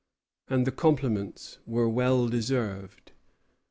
And the compliments were well deserved.